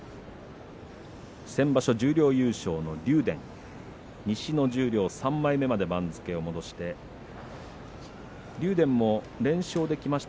先場所、十両優勝の竜電西の３枚目まで番付を戻してきています。